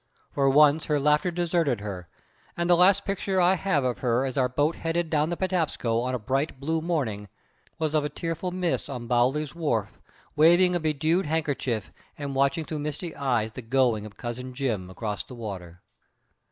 For once her laughter deserted her, and the last picture I had of her as our boat headed down the Patapsco on a bright, blue morning was of a tearful miss on Bowly's wharf, waving a bedewed handkerchief and watching through misty eyes the going of Cousin Jim across the water.